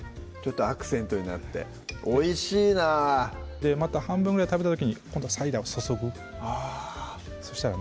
アクセントになっておいしいなぁまた半分ぐらい食べた時に今度はサイダーを注ぐそしたら